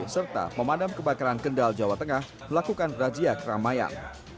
serta pemadam kebakaran kendal jawa tengah melakukan razia keramaian